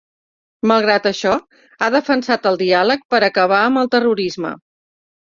Malgrat això, ha defensat el diàleg per a acabar amb el terrorisme.